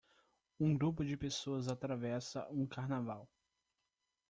Um grupo de pessoas atravessa um carnaval.